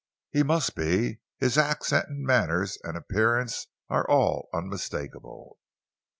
"He must be. His accent and manners and appearance are all unmistakable."